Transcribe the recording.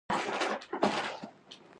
هګۍ د مغذي خوړو څخه ده.